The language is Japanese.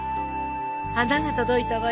花が届いたわよ。